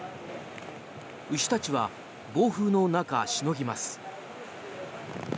牛たちは暴風の中、しのぎます。